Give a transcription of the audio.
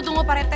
tunggu pak rete